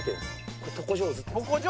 これ床上手って。